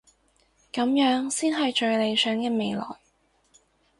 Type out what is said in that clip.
噉樣先係最理想嘅未來